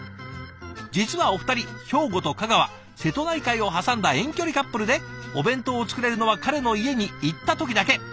実はお二人兵庫と香川瀬戸内海を挟んだ遠距離カップルでお弁当を作れるのは彼の家に行った時だけ。